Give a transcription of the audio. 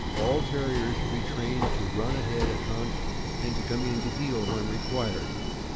All Terriers should be trained to run ahead and hunt and to come in to heel when required.